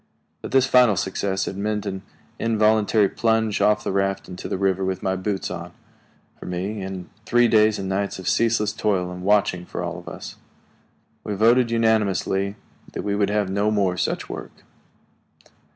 But this final success had meant an involuntary plunge off the raft into the river with my boots on, for me, and three days and nights of ceaseless toil and watching for all of us. We voted unanimously that we would have no more such work.